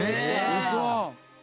ウソ？